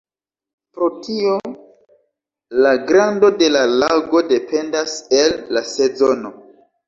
Pro tio la grando de la lago dependas el la sezono.